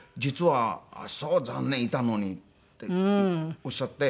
「ああそう残念いたのに」っておっしゃって。